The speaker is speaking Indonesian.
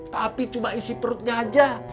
tapi cuma isi perutnya aja